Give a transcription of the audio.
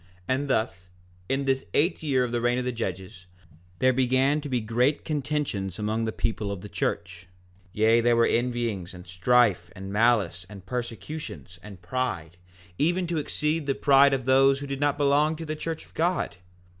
4:9 And thus, in this eighth year of the reign of the judges, there began to be great contentions among the people of the church; yea, there were envyings, and strife, and malice, and persecutions, and pride, even to exceed the pride of those who did not belong to the church of God.